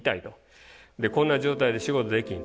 こんな状態で仕事できひんと。